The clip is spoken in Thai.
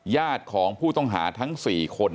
ญาติของผู้ต้องหาทั้ง๔คน